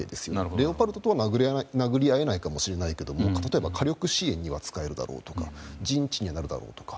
レオパルトとは殴り合えないかもしれないけど例えば、火力支援には使えるとか陣地にはなるとか。